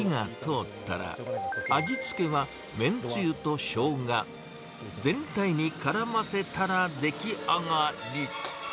豚肉に火が通ったら、味つけはめんつゆとショウガ、全体にからませたら出来上がり。